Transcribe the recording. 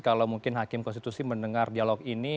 kalau mungkin hakim konstitusi mendengar dialog ini